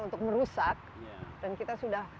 untuk merusak dan kita sudah